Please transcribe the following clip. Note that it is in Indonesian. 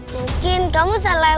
mungkin kamu salah